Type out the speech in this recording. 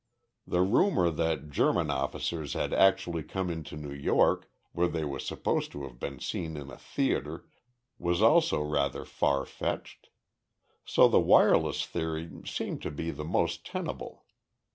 The rumor that German officers had actually come into New York, where they were supposed to have been seen in a theater, was also rather far fetched. So the wireless theory seemed to be the most tenable.